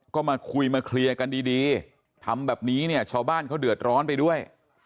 ก็มาคุยมาเคลียร์กันดีทำแบบนี้เนี่ยชาวบ้านเขาเดือดร้อนไปด้วย